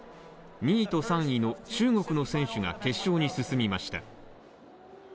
２位と３位の中国の選手が決勝に進みました。